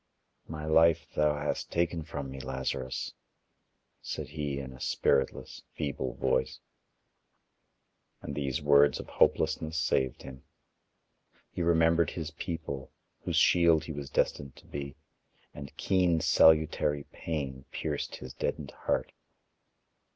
"My life thou hast taken from me, Lazarus," said he in a spiritless, feeble voice. And these words of hopelessness saved him. He remembered his people, whose shield he was destined to be, and keen salutary pain pierced his deadened heart.